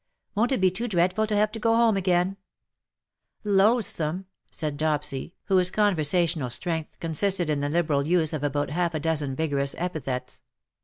'^ Won^t it be too dreadful to have to go home again T' " Loathsome V said Dopsy, whose conversational strength consisted in the liberal use of about half a dozen vigorous epithets.